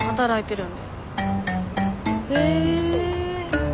へえ。